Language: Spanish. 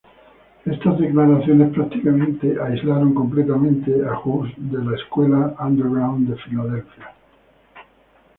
Estas declaraciones prácticamente aislaron completamente a Jus de la escena underground de Filadelfia.